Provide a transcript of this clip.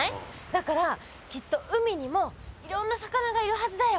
だからきっと海にもいろんな魚がいるはずだよ。